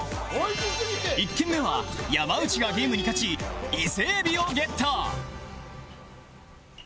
１軒目は山内がゲームに勝ち伊勢海老をゲット